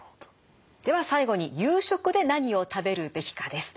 では最後に夕食で何を食べるべきかです。